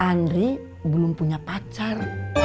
andri belum punya pacar